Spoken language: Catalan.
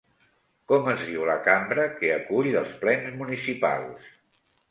Com es diu la cambra que acull els plens municipals?